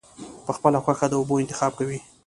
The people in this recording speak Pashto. پۀ خپله خوښه د اوبو انتخاب کوي -